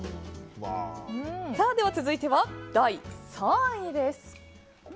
では、続いては第３位です。